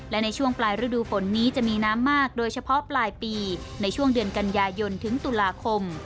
และในช่วงปลายฤดูฝนนี้จะมีน้ำมากโดยเฉพาะปลายปีในช่วงเดือนกันยายนถึงตุลาคม